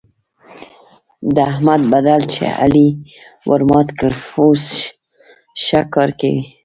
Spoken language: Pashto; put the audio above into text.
د احمد پدل چې علي ورمات کړ؛ اوس ښه کار کوي.